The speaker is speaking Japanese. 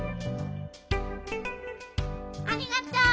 ありがとう。